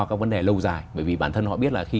các vấn đề lâu dài bởi vì bản thân họ biết là khi